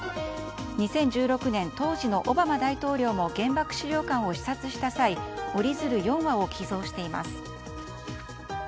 ２０１６年当時のオバマ大統領も原爆資料館を視察した際折り鶴４羽を寄贈しています。